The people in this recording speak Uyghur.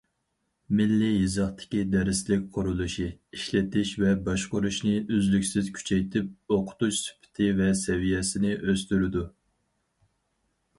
مىللىي يېزىقتىكى دەرسلىك قۇرۇلۇشى، ئىشلىتىش ۋە باشقۇرۇشنى ئۈزلۈكسىز كۈچەيتىپ، ئوقۇتۇش سۈپىتى ۋە سەۋىيەسىنى ئۆستۈرىدۇ.